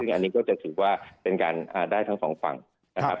อันนี้ก็จะถือว่าเป็นการได้ทั้งสองฝั่งนะครับ